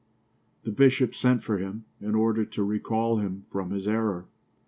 The bishop sent for him, in order to recall him from his error.